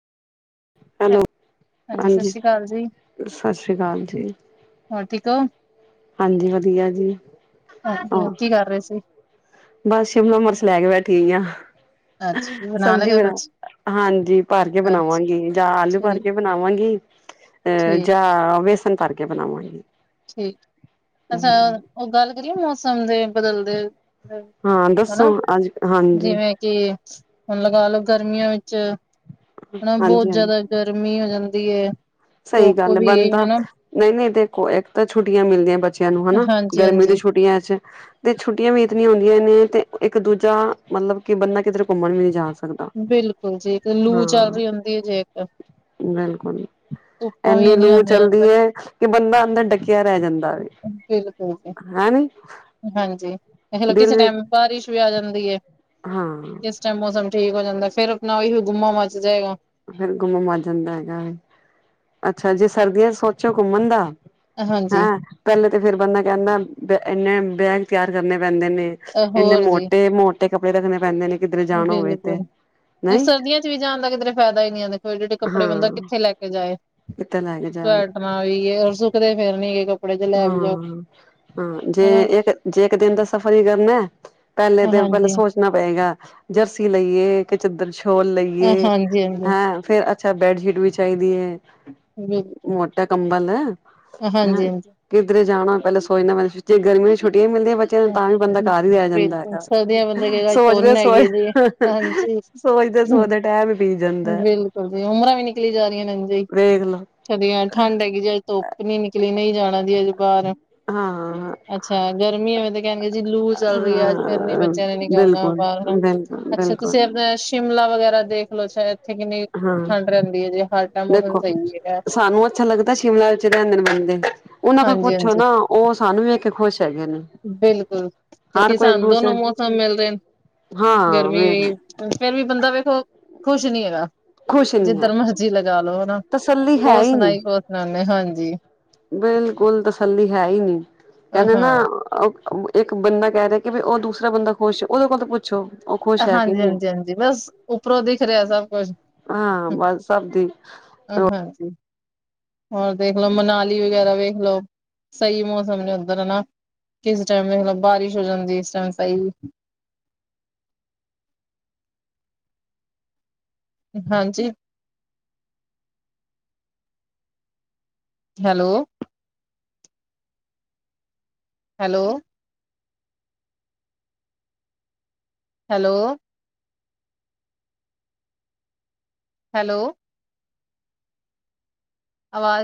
Hello ਹਾਂਜੀ ਸਤਿ ਸ਼੍ਰੀ ਅਕਾਲ ਜੀ ਸਤਿ ਸ਼੍ਰੀ ਅਕਾਲ ਜੀ ਹੋਰ ਠੀਕ ਹੋ ਹਾਂਜੀ ਵਧੀਆ ਜੀ ਹੋਰ ਕੀ ਕਰ ਰਹੇ ਸੀ ਬਸ ਸ਼ਿਮਲਾ ਮਰਚ ਲੈ ਕੇ ਬੈਠੀਹੋਈ ਆ ਅੱਛਾ ਸਬਜ਼ੀ ਲਗੇ ਬਣਾ ਕੁਛ ਹਾਂਜੀ ਭਰ ਕੇ ਅੱਛਾ ਬਣਾਵਾਂਗੀ ਜਾਂ ਆਲੂ ਭਰ ਠੀਕ ਕੇ ਬਣਾਵਾਂਗੀ ਅਹ ਜਾਂ ਵੇਸਣ ਭਰ ਕੇ ਬਣਾਵਾਂਗੀ ਠੀਕ ਅੱਛਾ ਉਹ ਗੱਲ ਕਰੀਏ ਮੌਸਮ ਦੇ ਬਦਲਦੇ ਹਾਂ ਦੱਸੋ ਅੱਜ ਹਾਂਜੀ ਕੇ ਹੁਣ ਲਗਾ ਲੋ ਗਰਮੀਆਂ ਵਿੱਚ ਹਨਾ ਬੋਤ ਹਾਂਜੀ ਹਾਂਜੀ ਜਾਦਾ ਗਰਮੀ ਹੋ ਜਾਂਦੀ ਏ ਸਹੀ ਗੱਲ ਹੈ ਬਣਦਾ ਨਹੀਂ ਨਹੀਂ ਦੇਖੋ ਇੱਕ ਤਾਂ ਛੁੱਟੀਆਂ ਮਿਲਦੀਆਂ ਬੱਚਿਆਂ ਨੂੰ ਹਨਾ ਹਾਂਜੀ ਗਰਮੀ ਦੀ ਹਾਂਜੀ ਛੁੱਟੀਆਂ ਚ ਤੇ ਛੁੱਟੀਆਂ ਵੀ ਇਤਨੀਆਂ ਹੁੰਦੀਆਂ ਨੇ ਤੇ ਇੱਕ ਦੂਜਾ ਮਤਲਬ ਕਿ ਬੰਦਾ ਕਿਦਰੇ ਘੁੰਮਣ ਵੀ ਨ ਜਾ ਸਕਦਾ ਬਿਲਕੁਲ ਜੀ ਲੂ ਚੱਲ ਹਾਂ ਰਹੀ ਹੁੰਦੀ ਹੈ ਜੇ ਇੱਕ ਬਿਲਕੁਲ ਧੁੱਪਾਂ ਵੀ ਇੰਨੀ ਇਨੀ ਲੂ ਹੁੰਦੀਆਂ ਚਲਦੀ ਹੈ ਕਿ ਬੰਦਾ ਅੰਦਰ ਡੱਕਿਆ ਰੈ ਜਾਂਦਾ ਵੇ ਬਿਲਕੁਲ ਹੈਨੀ ਹਾਂਜੀ ਦਿਲ ਕਿਸੇ ਵੀ ਟੈਮ ਬਾਰਿਸ਼ ਵੀ ਆ ਜਾਂਦੀ ਐ ਹਾਂ ਕਿਸ ਟੈਮ ਮੌਸਮ ਠੀਕ ਹੋ ਜਾਂਦਾ ਫੇਰ ਆਪਣਾ ਓਹੀ ਗੁੰਮਾ ਮਚ ਜਾਏਗਾ, ਫੇਿਰ ਗੁੰਮਾ ਮਚ ਜਾਂਦਾ ਹੈਗਾ ਅੱਛਾ ਜੇ ਸਰਦੀਆਂ ਚ ਸੋਚੋ ਘੁੰਮਣ ਦਾ ਹਾਂਜੀ ਹੈਂ ਪੈਲੇ ਤਾਂ ਫੇਰ ਬੰਦਾ ਕੈਂਦਾ ਇੰਨੇ ਬੈਗ ਤਿਆਰ ਕਰਨੇ ਪੈਂਦੇ ਨੇ ਇੰਨੇ ਹੋਰ ਜੀ ਮੋਟੇ -ਮੋਟੇ ਕੱਪੜੇ ਰੱਖਣੇ ਪੈਂਦੇ ਨੇ ਕਿੱਧਰੇ ਜਾਣ ਹੋਵੇ ਤੇ ਨਹੀਂ ਕਿਥੇ ਵੀ ਜਾਣ ਦਾ ਕਿਧਰੇ ਫੈਦਾ ਹੀ ਨਹੀ ਦੇ ਖੋ ਏਡੇ ਏਡੇ ਕੱਪੜੇ ਬੰਦਾ ਹਾਂ ਕਿੱਥੇ ਲੈ ਕੇ ਜਾਏ ਕਿਤੇ ਲੈ ਕੇ ਜਾਵੇ ਸ ਨਾ ਵੀ ਏ ਔਰ ਸੁੱਕਦੇ ਫੇਰ ਨੀ ਕ ਹਾਂ ਹਾਂ ਜੇ ਹਨਾ ਇੱਕ ਜੇ ਇੱਕ ਦਿਨ ਦਾ ਸਫ਼ਰ ਹੀ ਕਰਨਾ ਪੈਲੇ ਤਾਂ ਪੈਲੇ ਹਾਂਜੀ ਸੋਚ ਣਾ ਪਏਗਾ ਜਰਸੀ ਲਈਏ ਕਿ ਚਦਰ ਛੋਲ ਲਈਏ ਯੇਹ ਹਾਂਜੀ ਹਾਂਜੀ ਹੈ, ਫੇਰ ਅੱਛਾ ਬੈਡਸ਼ੀਟ ਵੀ ਚਾਈਦੀ ਹੈ। ਬਿਲਕੁਲ ਮੋਟਾ ਕੰਬਲ ਹੈ। ਹਾਂਜੀ ਹਾਂਜੀ ਕਿੱਧਰੇ ਜਾਣਾ ਪੈਲ ਸੋਚਣਾ ਪੈਂਦਾ, ਗਰਮੀਆਂ ਛੱਟੀਆਂ ਮਿਲਦੀਆਂ ਬੱਚਿਆਂ ਨੂੰ। ਤਾਂ ਵੀ ਬੰਦਾ ਘਰ ਹੀ ਰੈ ਜਾਂਦਾ ਬਿਲਕੁਲ ਹੈਗਾ ਸਰਦੀਆਂ ਬੰਦੇ ਕਹੇਗਾ ਅੱਜ ਸੋਚਦੇ ਧੁੰਨ ਹੈਗੀ ਹੈ ਜੀ ਸੋਚ। ਹਾਂਜੀ ਸੋਚਦੇ ਸੋਚਦੇ ਟੈਮ ਹੀ। ਪੀ ਜਾਂਦਾ ਬਿਲਕੁਲ ਜੀ ਉਮਰਾਂ ਵੀ ਨਿਕਲੀ ਜਾ ਰਹੀਆਂ ਨੇ ਜੀ ਵੇਖ ਲੋ ਸਾਡੀਆ ਠੰਡ ਹੈਗੀ ਜੀ ਅੇ ਧੁੱਪ ਨਹੀਂ ਨਿਕਲੀ ਨਹੀਂ ਜਾਣਾ ਦੀ ਅਜੇ ਬਾਹਰ। ਹਾਂ ਅੱਛਾ ਗਰਮੀ ਐਵੇਂ ਤੇ ਕਹਿਣਗੇ ਜੀ ਲੂ ਚੱਲ ਰਹੀ ਹੈ, ਅੱਜ ਫਿਰ ਨੀ ਹਾਂ ਬੱਚਿਆਂ ਨੇ ਨਿਕਲਨਾ ਬਿਲਕੁਲ ਬਾਹਰ। ਬਿਲਕੁਲ ਅੱਛਾ ਬਿਲਕੁਲ ਤੁਸੀਂ ਆਪਣਾ ਸ਼ਿਮਲਾ ਵਗੈਰਾ ਦੇਖਲੋ ਸ਼ਾਇਦ। ਇੱਥੇ ਕਿੰਨੀ ਹਾਂ ਠੰਡ ਰਹਿੰਦੀ ਹੈ ਜੇ ਹਰ ਟਾਈਮ ਮੌਸਮ ਦੇਖੋ ਸਹੀ ਹੈਗਾ ਸਾਨੂੰ ਅੱਛਾ ਲੱਗਦਾ ਸ਼ਿਮਲਾ ਵਿੱਚ ਰਹਦੇ ਨੇ ਬੰਦੇ। ਉਹਨਾਂ ਕੋਲ ਪੁੱਛੋ ਹਾਂਜੀ-ਹਾਂਜੀ ਨਾ ਉਹ ਸਾਨੂੰ ਵੇਖ ਕੇ ਖੁਸ਼ ਹੈਗੇ ਨੇ। ਬਿਲਕੁਲ ਹਰ ਕਿਉਂਕਿ ਕੋਈ ਇੱਕ ਸਾਨੂੰ ਦੂਸਰੇ ਦੋਨੋ ਮੌਸਮ ਮਿਲਦੇ ਨੇ। ਹਾਂ ਗਰਮੀ [unintelligible] ਵੀ ਫੇਰ ਵੀ ਬੰਦਾ ਵੇਖੋ ਖੁਸ਼ ਨੀ ਹੈਗਾ। ਖੁਸ਼ ਨੀ ਹੈ ਜਿੱਧਰ ਮਰਜੀ‌ ਲਗਾਲੋ ਹਨਾ ਤਸੱਲੀ ਹੈ ਕੋ ਹੀ ਨਹੀਂ ਸੁਣਾਈ ਕੁ ਸੁਣਾਦੇ ਹਾਂਜੀ। ਬਿਲਕੁਲ ਤਸੱਲੀ ਹੈ, ਹੀ ਨੀ ਕਹਿੰਦੇ ਨਾ। ਹਾਂ ਇੱਕ ਬੰਦਾ ਕਹਿ ਰਿਹਾ, ਕਿ ਵੀ ਉਹ ਦੂਸਰਾ ਬੰਦਾ ਖੁਸ਼ ਉਹਦੇ ਕੋਲ ਤਾਂ ਪੁੱਛੋ। ਉਹ ਖੁਸ਼ ਹੈ ਕਿ ਹਾਂਜੀ ਨਹੀਂ ਹਾਂਜੀ ਹੈ ਹਾਂਜੀ ਬਸ ਉੱਪਰੋਂ ਦਿਖ ਰਿਹਾ ਸਭ ਕੁਛ। ਹਾਂ ਬਸ ਸਭ ਦੀ ਆਹ ਹਾਂਜੀ। ਹੋਰ ਦੇਖਲੋ ਮਨਾਲੀ ਵਗੈਰਾ ਵੇਖ ਲੋ ਸਹੀ ਮੌਸਮ ਨੇ ਉੱਧਰ ਹਨਾ। ਕਿਸ ਟਾਈਮ ਬਾਰਿਸ਼ ਹੋ ਜਾਂਦੀ ਇਸ ਟਾਈਮ ਤਾਂ। [unintelligible] ਹਾਂਜੀ। ਹੈਲੋ। ਹੈਲੋ। ਹੈਲੋ। ਹੈਲੋ। ਆਵਾਜ਼